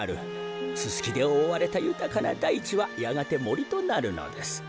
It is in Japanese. ススキでおおわれたゆたかなだいちはやがてもりとなるのです。